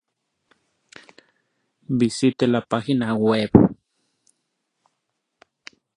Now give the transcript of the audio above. Visite la página web